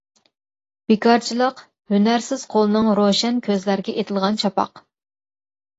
بىكارچىلىق-ھۈنەرسىز قولنىڭ روشەن كۆزلەرگە ئېتىلغان چاپاق.